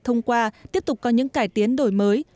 thông qua tiếp tục có những cải tiến đổi mới